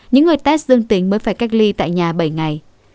những người test dương tính mới phải cách ly tại nhà bệnh